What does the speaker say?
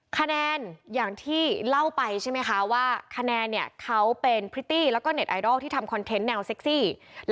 คะแนนอย่างที่เล่าไปคาแนนเนี่ยเค้าเป็นพริตตี้และ